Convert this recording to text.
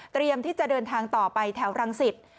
ที่จะเดินทางต่อไปแถวรังสิต